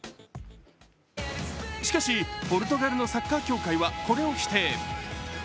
しかし、ポルトガルのサッカー協会はこれを否定。